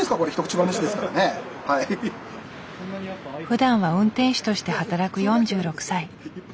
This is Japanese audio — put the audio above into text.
ふだんは運転手として働く４６歳。